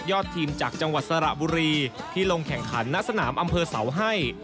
ทีมจากจังหวัดสระบุรีที่ลงแข่งขันณสนามอำเภอเสาให้